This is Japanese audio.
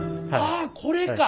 あこれか。